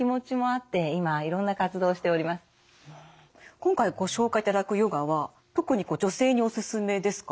今回ご紹介いただくヨガは特に女性にお勧めですか？